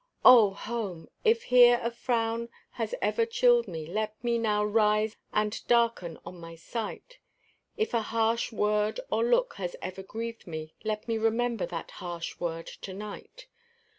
Oh, home! if here a frown has ever chilled me, Let it now rise and darken on my sight. If a harsh word or look has ever grieved me, Let me remember that harsh word to night.